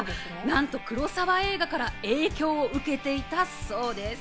なんと黒澤映画から影響を受けていたそうです。